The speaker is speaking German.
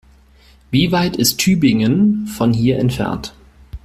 Wie weit ist Tübingen von hier entfernt?